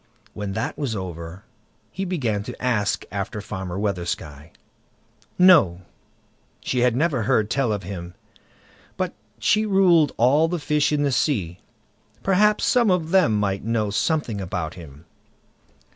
When that was over, he began to ask after Farmer Weathersky. "No! she had never heard tell of him; but she ruled all the fish in the sea; perhaps some of them might know something about him."